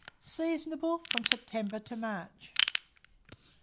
Seasonable from September to March.